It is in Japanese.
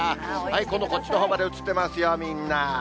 今度、こっちのほうまで映ってますよ、みんな。